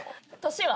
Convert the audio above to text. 年は？